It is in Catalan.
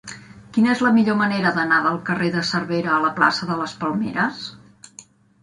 Quina és la millor manera d'anar del carrer de Cervera a la plaça de les Palmeres?